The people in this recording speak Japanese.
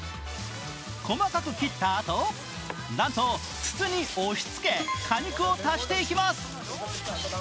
細かく切ったあと、なんと筒に押しつけ果肉を足していきます。